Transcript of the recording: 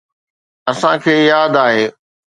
اسان کي ياد آهي.